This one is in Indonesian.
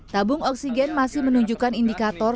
tabung oksigen masih menunjukkan indikator